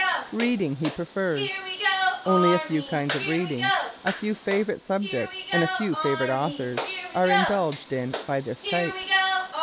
Reading He Prefers ¶ Only a few kinds of reading, a few favorite subjects and a few favorite authors are indulged in by this type.